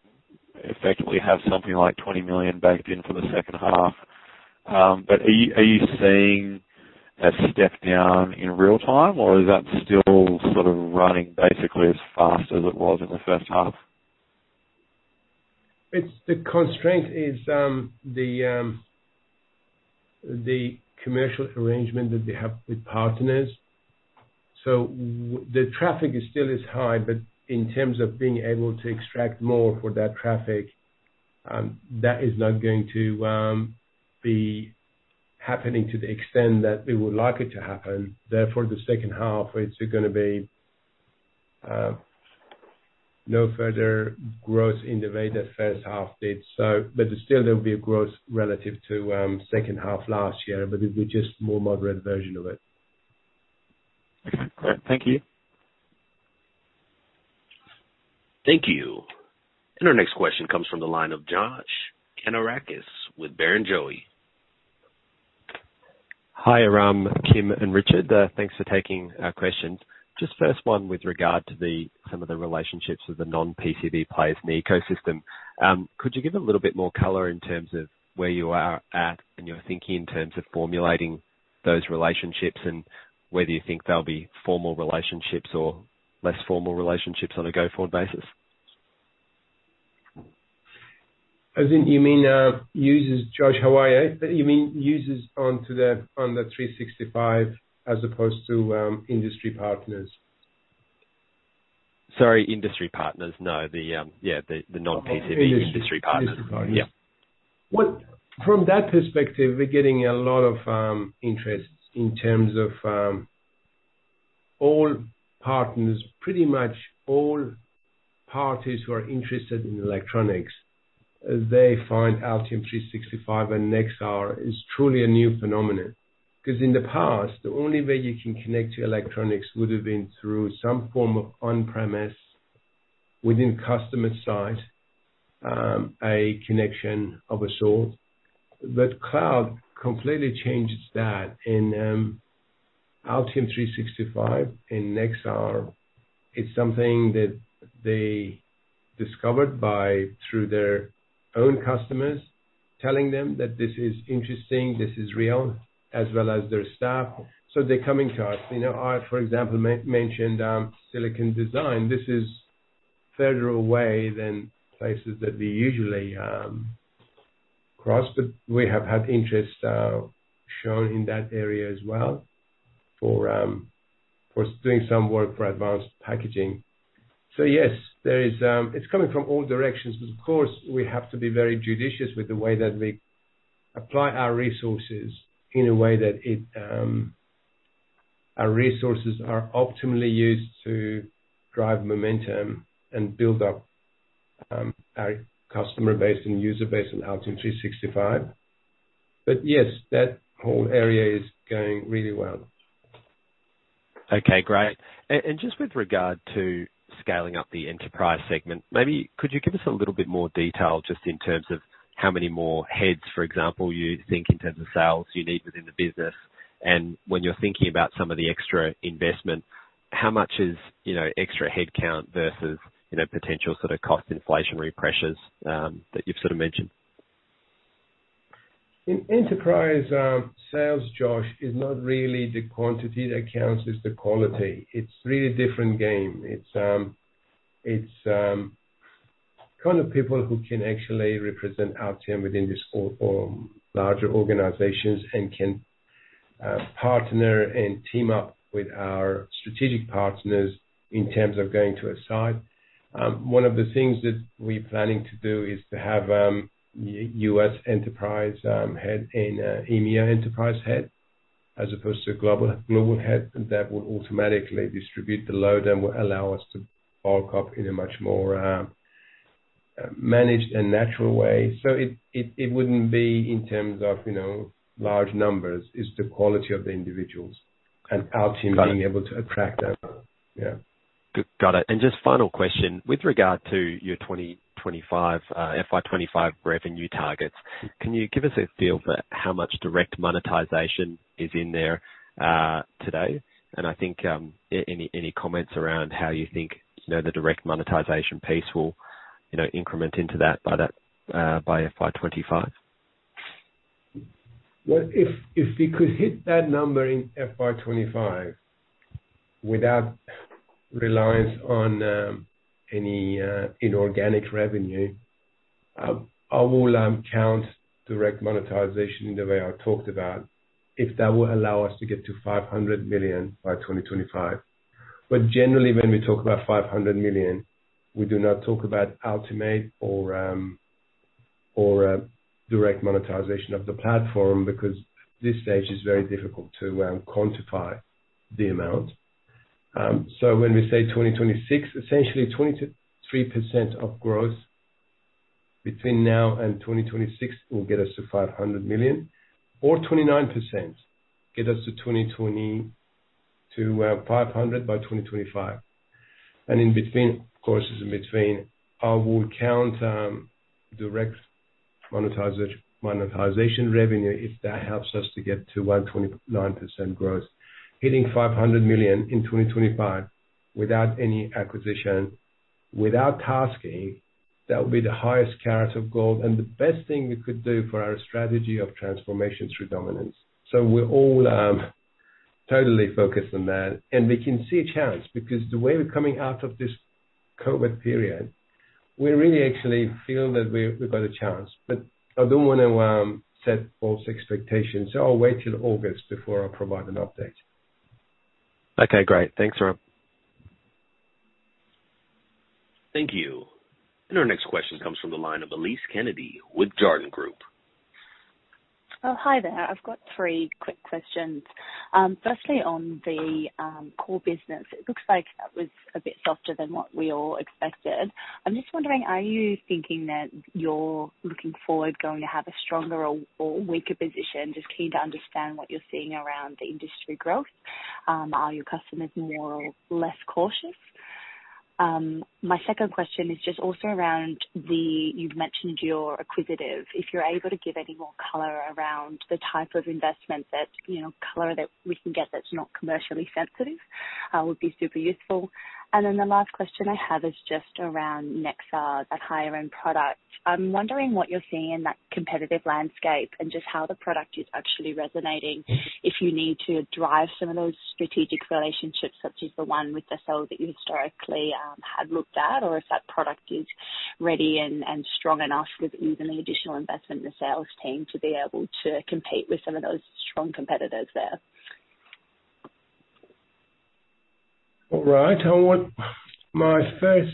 effectively have something like $20 million baked in for the second half. Are you seeing a step down in real time, or is that still sort of running basically as fast as it was in the first half? The constraint is the commercial arrangement that we have with partners. The traffic is still as high, but in terms of being able to extract more for that traffic, that is not going to be happening to the extent that we would like it to happen. Therefore, the second half it's gonna be no further growth in the way the first half did. Still there will be a growth relative to second half last year, but it'll be just more moderate version of it. Okay, great. Thank you. Thank you. Our next question comes from the line of Josh Kannourakis with Barrenjoey. Hi, Aram, Kim and Richard. Thanks for taking our questions. Just first one with regard to some of the relationships with the non-PCB players in the ecosystem. Could you give a little bit more color in terms of where you are at and your thinking in terms of formulating those relationships and whether you think they'll be formal relationships or less formal relationships on a go-forward basis? As in you mean users, Josh, why? You mean users on the 365 as opposed to industry partners? Sorry, industry partners. No. The non-PCB industry partners. Yeah. From that perspective, we're getting a lot of interest in terms of all partners. Pretty much all parties who are interested in electronics, they find Altium 365 and Nexar is truly a new phenomenon. 'Cause in the past, the only way you can connect to electronics would have been through some form of on-premise within customer site, a connection of a sort. But cloud completely changes that. Altium 365 and Nexar is something that they discovered through their own customers telling them that this is interesting, this is real, as well as their staff. So they're coming to us. You know, I, for example, mentioned Silicon Design. This is further away than places that we usually cross, but we have had interest shown in that area as well for doing some work for advanced packaging. Yes, there is. It's coming from all directions, but of course, we have to be very judicious with the way that we apply our resources in a way that our resources are optimally used to drive momentum and build up our customer base and user base in Altium 365. Yes, that whole area is going really well. Okay, great. Just with regard to scaling up the enterprise segment, maybe could you give us a little bit more detail just in terms of how many more heads, for example, you think in terms of sales you need within the business? When you're thinking about some of the extra investment, how much is, you know, extra headcount versus, you know, potential sort of cost inflationary pressures that you've sort of mentioned. In enterprise sales, Josh, it's not really the quantity that counts, it's the quality. It's a really different game. It's kind of people who can actually represent Altium within this or larger organizations and can partner and team up with our strategic partners in terms of going to scale. One of the things that we're planning to do is to have U.S. enterprise head in EMEA enterprise head as opposed to global head. That would automatically distribute the load and will allow us to bulk up in a much more managed and natural way. It wouldn't be in terms of, you know, large numbers. It's the quality of the individuals and our team being able to attract them. Yeah. Good. Got it. Just final question. With regard to your 2025, FY 2025 revenue targets, can you give us a feel for how much direct monetization is in there today? And I think any comments around how you think, you know, the direct monetization piece will, you know, increment into that by that, by FY 2025. Well, if we could hit that number in FY 2025 without reliance on any inorganic revenue, I will count direct monetization in the way I talked about, if that will allow us to get to $500 million by 2025. Generally, when we talk about $500 million, we do not talk about Altimade or direct monetization of the platform because this stage is very difficult to quantify the amount. When we say 2026, essentially 20%-30% growth between now and 2026 will get us to $500 million or 29% get us to $500 by 2025. In between, of course, I would count direct monetization revenue if that helps us to get to 1.9% growth. Hitting $500 million in 2025 without any acquisition, without cash, that would be the highest karat of gold and the best thing we could do for our strategy of transformation through dominance. We're all totally focused on that, and we can see a chance because the way we're coming out of this COVID period, we really actually feel that we've got a chance. I don't wanna set false expectations, so I'll wait till August before I provide an update. Okay, great. Thanks, Aram. Thank you. Our next question comes from the line of Elise Kennedy with Jarden Group. Oh, hi there. I've got three quick questions. Firstly, on the core business, it looks like that was a bit softer than what we all expected. I'm just wondering, are you thinking that you're looking forward going to have a stronger or weaker position? Just keen to understand what you're seeing around the industry growth. Are your customers more or less cautious? My second question is just also around the. You've mentioned you're acquisitive. If you're able to give any more color around the type of investment that, you know, color that we can get that's not commercially sensitive, would be super useful. The last question I have is just around Nexar, that higher end product. I'm wondering what you're seeing in that competitive landscape and just how the product is actually resonating. If you need to drive some of those strategic relationships, such as the one with the seller that you historically had looked at, or if that product is ready and strong enough with even the additional investment in the sales team to be able to compete with some of those strong competitors there. All right. My first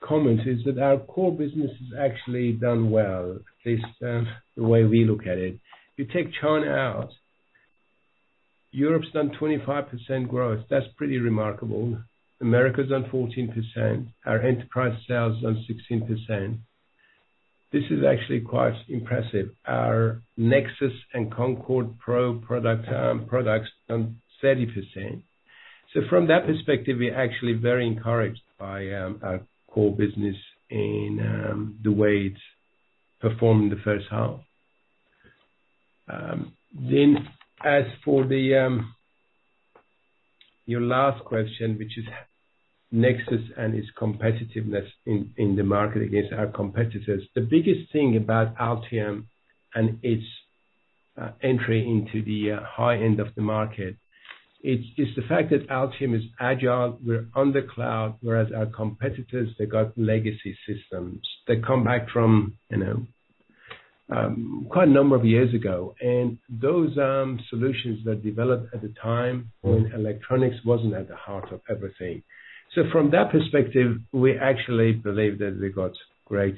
comment is that our core business has actually done well, at least the way we look at it. You take China out, Europe's done 25% growth. That's pretty remarkable. America's done 14%. Our enterprise sales is on 16%. This is actually quite impressive. Our Nexus and Concord Pro products done 30%. From that perspective, we're actually very encouraged by our core business in the way it's performed in the first half. As for your last question, which is Nexus and its competitiveness in the market against our competitors. The biggest thing about Altium and its entry into the high end of the market is the fact that Altium is agile. We're on the cloud, whereas our competitors, they got legacy systems that come back from, you know, quite a number of years ago. Those solutions that developed at the time when electronics wasn't at the heart of everything. From that perspective, we actually believe that we got great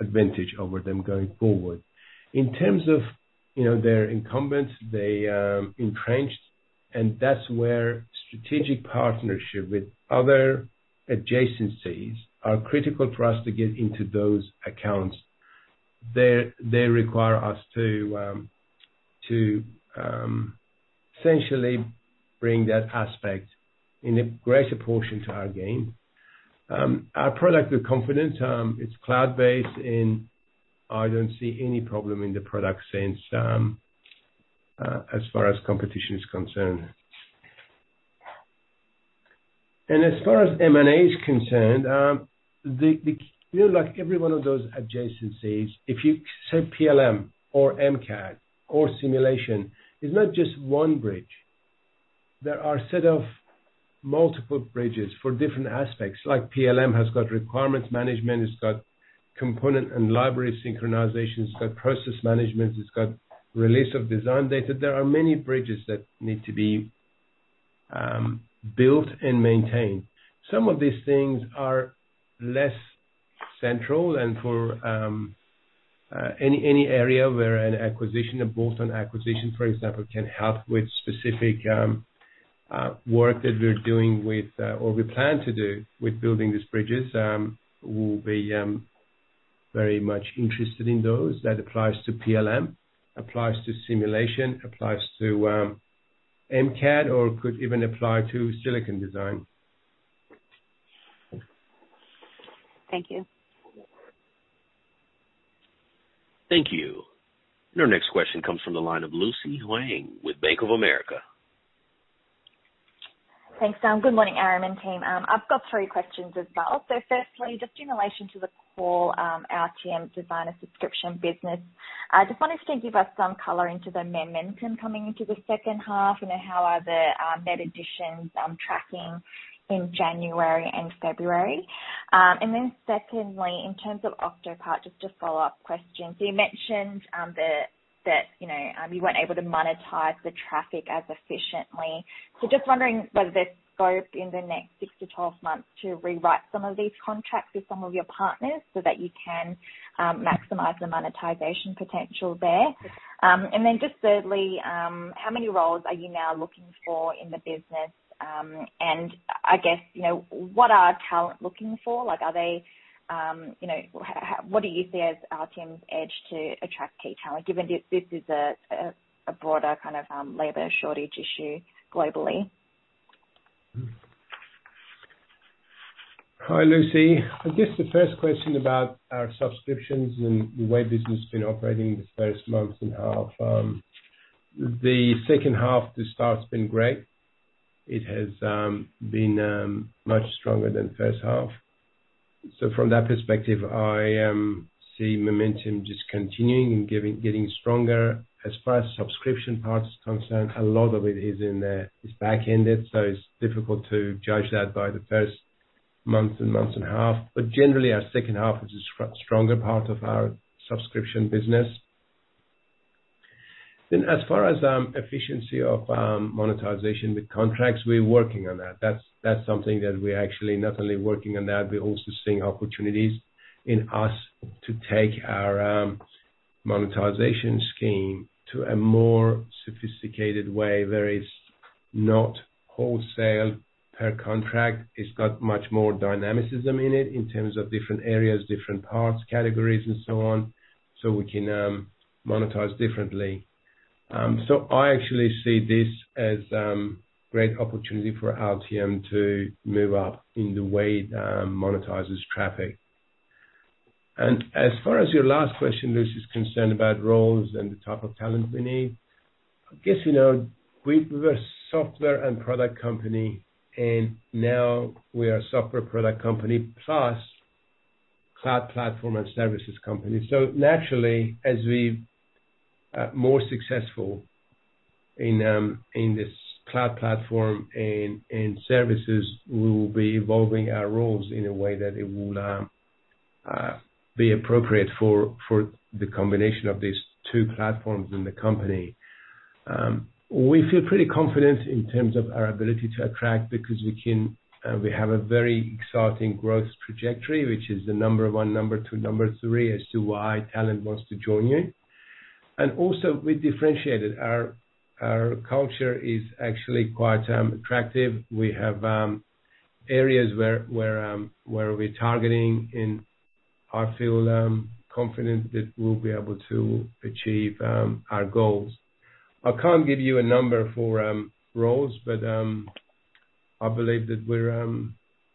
advantage over them going forward. In terms of, you know, they're incumbents, they are entrenched, and that's where strategic partnership with other adjacencies are critical for us to get into those accounts. They require us to essentially bring that aspect in a greater portion to our game. Our product, we're confident, it's cloud-based and I don't see any problem in the product since, as far as competition is concerned. As far as M&A is concerned, the you know, like every one of those adjacencies, if you say PLM or MCAD or simulation, it's not just one bridge. There are set of multiple bridges for different aspects, like PLM has got requirements management, it's got component and library synchronization, it's got process management, it's got release of design data. There are many bridges that need to be built and maintained. Some of these things are less central and for any area where an acquisition, a bolt-on acquisition, for example, can help with specific work that we're doing with or we plan to do with building these bridges, we'll be very much interested in those. That applies to PLM, applies to simulation, applies to MCAD, or could even apply to Silicon Design. Thank you. Thank you. Your next question comes from the line of Lucy Huang with Bank of America. Thanks. Good morning, Aram and team. I've got three questions as well. Firstly, just in relation to the core Altium Designer subscription business, I just wanted you to give us some color into the momentum coming into the second half and how are the net additions tracking in January and February. Secondly, in terms of Octopart, just a follow-up question. You mentioned that you know you weren't able to monetize the traffic as efficiently. Just wondering whether there's scope in the next six to 12 months to rewrite some of these contracts with some of your partners so that you can maximize the monetization potential there. Thirdly, how many roles are you now looking for in the business? I guess you know what talent are looking for? Like, are they, you know, what do you see as Altium's edge to attract key talent, given this is a broader kind of labor shortage issue globally? Hi, Lucy. I guess the first question about our subscriptions and the way business has been operating this first month and half. The second half, the start's been great. It has been much stronger than the first half. From that perspective, I see momentum just continuing and getting stronger. As far as subscription part is concerned, a lot of it is back-ended, so it's difficult to judge that by the first month and a half. But generally, our second half is a stronger part of our subscription business. As far as efficiency of monetization with contracts, we're working on that. That's something that we're actually not only working on that, we're also seeing opportunities in us to take our monetization scheme to a more sophisticated way where it's not wholesale per contract. It's got much more dynamicism in it in terms of different areas, different parts, categories, and so on, so we can monetize differently. I actually see this as great opportunity for Altium to move up in the way it monetizes traffic. As far as your last question, Lucy, is concerned about roles and the type of talent we need. I guess, you know, we were software and product company, and now we are software product company plus cloud platform and services company. Naturally, as we more successful in this cloud platform and services, we will be evolving our roles in a way that it will be appropriate for the combination of these two platforms in the company. We feel pretty confident in terms of our ability to attract because we can, we have a very exciting growth trajectory, which is the number one, number two, number three as to why talent wants to join you. Also we differentiated. Our culture is actually quite attractive. We have areas where we're targeting, and I feel confident that we'll be able to achieve our goals. I can't give you a number for roles, but I believe that we're.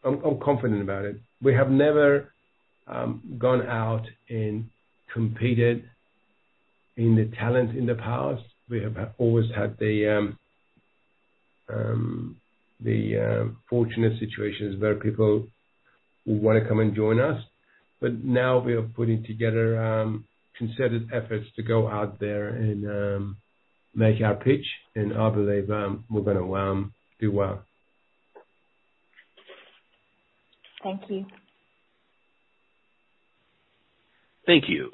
I'm confident about it. We have never gone out and competed in the talent in the past. We have always had the fortunate situations where people want to come and join us. Now we are putting together concerted efforts to go out there and make our pitch I believe, we're gonna do well. Thank you. Thank you.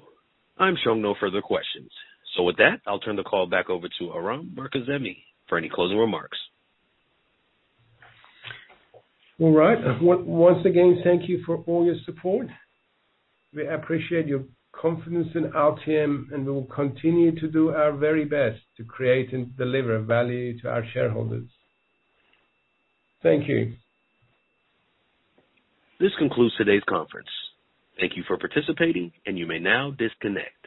I'm showing no further questions. With that, I'll turn the call back over to Aram Mirkazemi for any closing remarks. All right. Once again, thank you for all your support. We appreciate your confidence in Altium, and we will continue to do our very best to create and deliver value to our shareholders. Thank you. This concludes today's conference. Thank you for participating, and you may now disconnect.